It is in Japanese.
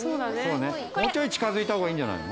もうちょい近づいた方がいいんじゃないの？